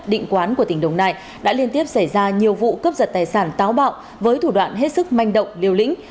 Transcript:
định quán của tỉnh đồng nai đã liên tiếp xảy ra nhiều vụ cấp giật tài sản táo bạo với thủ đoạn hết sức manh động liều lĩnh